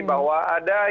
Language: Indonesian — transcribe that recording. bahwa ada yang